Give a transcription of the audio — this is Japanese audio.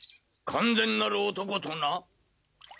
完全なる男とな？